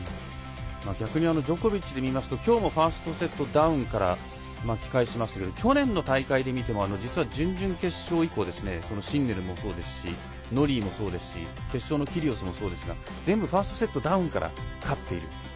逆にジョコビッチは今日もファーストセットダウンから巻き返しましたが去年の大会で見ても実は、準々決勝以降シンネルもそうですしノリーもそうですし決勝のキリオスもそうですが全部ファーストセットダウンから勝っているという。